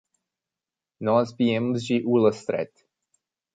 Nós viemos de Ullastret.